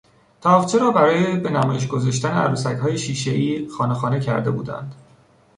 تاقچه را برای به نمایش گذاشتن عروسکهای شیشهای خانه خانه کرده بودند.